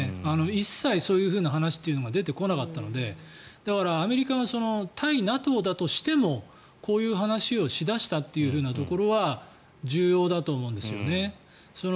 一切そういう話というのは出てこなかったのでだから、アメリカが対ＮＡＴＯだとしてもこういう話をし出したというところは重要だと思うんですよね。